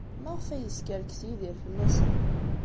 Maɣef ay yeskerkes Yidir fell-asen?